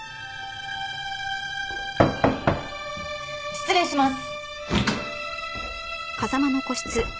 失礼します！